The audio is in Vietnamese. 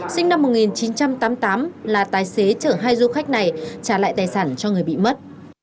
sinh năm một nghìn chín trăm tám mươi tám là tài xế chở hai du khách này trả lại tài sản cho người bị mất